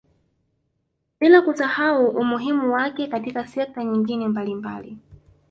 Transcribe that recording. Bila kusahau umuhimu wake katika sekta nyingine mbalimbali